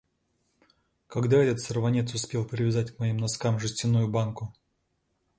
Когда этот сорванец успел привязать к моим носкам жестяную банку?